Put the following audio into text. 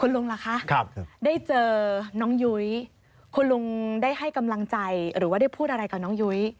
ลุงล่ะคะได้เจอน้องยุ้ยคุณลุงได้ให้กำลังใจหรือว่าได้พูดอะไรกับน้องยุ้ย